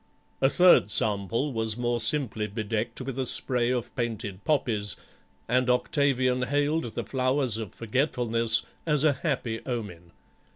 A third sample was more simply bedecked with a spray of painted poppies, and Octavian hailed the flowers of forgetfulness as a happy omen.